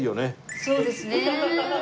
そうですねえ。